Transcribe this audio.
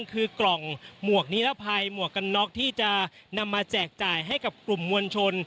คือกล่องหมวกนิรภัยหมวกกันน็อกที่จะนำมาแจกจ่ายให้กับกลุ่มมวลชน